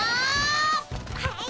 はい！